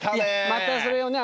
またそれをね